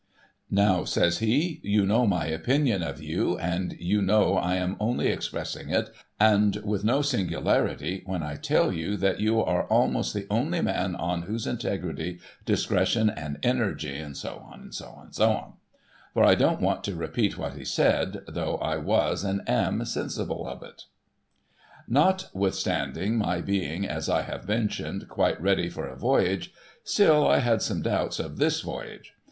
Now,' says he, 'you know my opinion of you, and you know I am only expressing it, and with no singularity, when I tell you that you are almost the only man on whose integrity, discretion, and energy —' &c.. Sec. For, I don't want to repeat what he said, though I was and am sensible of it. Notwithstanding my being, as I have mentioned, quite ready for a voyage, still I had some doubts of this voyage.